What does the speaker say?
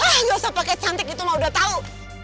hah gak usah pakai cantik gitu mah udah tau